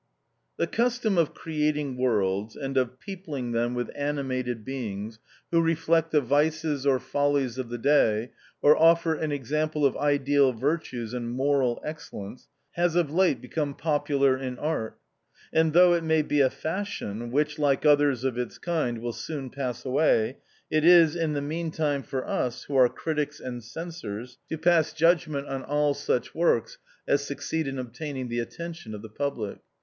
The custom of creating worlds, and of peopling them with animated beings who reflect the vices or follies of the day, or offer an example of ideal virtues and moral excellence, has of late become popular in art ; and, though it may be a fashion, which, like others of its kind, will soon pass away, it is, in the meantime for us, who are critics and censors, to pass 34 THE OUTCAST. judgment on all such works as succeed in obtaining the attention of the public.